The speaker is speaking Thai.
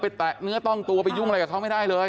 แตะเนื้อต้องตัวไปยุ่งอะไรกับเขาไม่ได้เลย